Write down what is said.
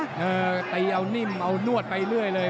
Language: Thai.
เออตีเอานิ่มเอานวดไปเรื่อยเลย